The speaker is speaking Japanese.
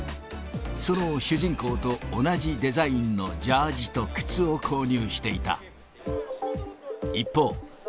その主人公と同じデザインのジャージと靴を購入していた。